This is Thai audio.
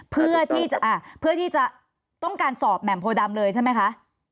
เพื่อที่จะต้องการสอบแหม่มโพดำเลยใช่ไหมคะ